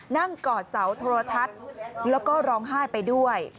กอดเสาโทรทัศน์แล้วก็ร้องไห้ไปด้วย